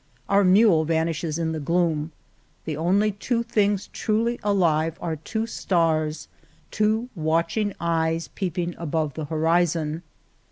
Our mule vanishes in the gloom ; the only things truly alive are two stars — two watching eyes peeping above the horizon.